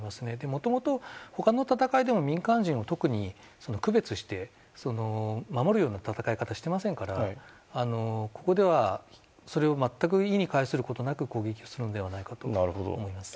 もともと、他の戦いでも民間人を特に区別して守るような戦い方はしていませんからここではそれを全く意に介することなく攻撃するのではないかと思います。